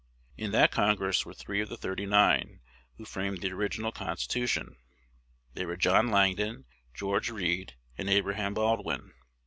In that Congress were three of the "thirty nine" who framed the original Constitution: they were John Langdon, George Read, and Abraham Baldwin.